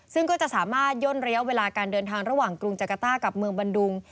ซึ่งก็จะสามารถย่นระยะเวลาการเดินทางระหว่างกรุงจักรต้ากับเมืองบันดุง